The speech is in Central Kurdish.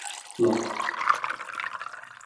زیاد لە هەمووان تۆ قانوونی ئیزدیانت بەکار برد: